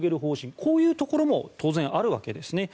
こういうところも当然、あるわけですね。